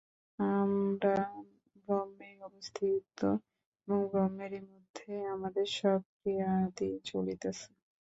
আমরা ব্রহ্মেই অবস্থিত এবং ব্রহ্মেরই মধ্যে আমাদের সব ক্রিয়াদি চলিতেছে।